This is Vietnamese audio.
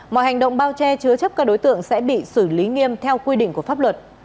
mọi hành động bao che chứa chấp các đối tượng sẽ bị xử lý nghiêm theo quy định của pháp luật